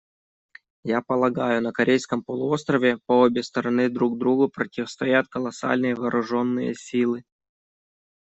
Я полагаю, на Корейском полуострове по обе стороны друг другу противостоят колоссальные вооруженные силы.